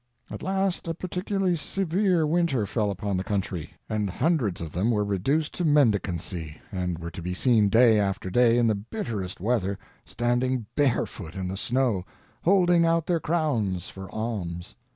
At last a particularly severe winter fell upon the country, and hundreds of them were reduced to mendicancy and were to be seen day after day in the bitterest weather, standing barefoot in the snow, holding out their crowns for alms.